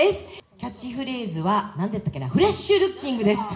キャッチフレーズは、なんだったかな、フレッシュルッキングです。